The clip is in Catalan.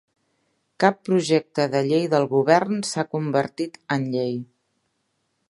Cap projecte de llei del Govern s'ha convertit en llei.